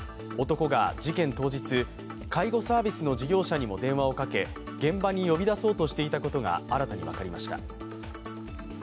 男が事件当日、介護サービスの事業者にも電話をかけ現場に呼び出そうとしていたことが新たに分かりました。